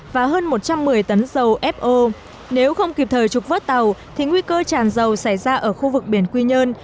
và hơn một trăm một mươi tấn dầu fo nếu không kịp thời trục vớt tàu thì nguy cơ tràn dầu xảy ra ở khu vực biển quy nhơn